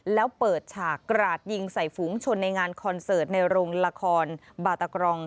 แล้วเปิดฉากกราดยิงใส่ฝูงชนในงานคอนเสิร์ตในโรงละครบาตกรอง